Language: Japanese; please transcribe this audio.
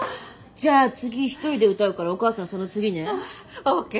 じゃあ次１人で歌うからお母さんその次ね。ＯＫ。